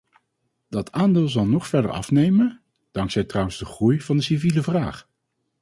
Dat aandeel zal nog verder afnemen, dankzij trouwens de groei van de civiele vraag.